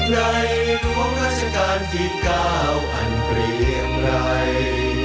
ในกุมงักราชกาลที่ก้าวอันเกลียวใคร